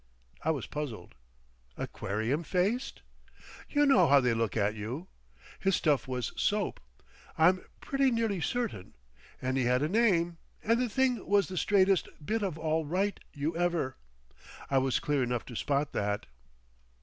I was puzzled. "Aquarium faced?" "You know how they look at you. His stuff was soap, I'm pretty nearly certain. And he had a name—And the thing was the straightest Bit of All right you ever. I was clear enough to spot that..."